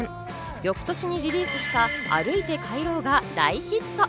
翌年にリリースした『歩いて帰ろう』が大ヒット。